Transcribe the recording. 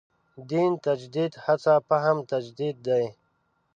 دین تجدید هڅه فهم تجدید دی.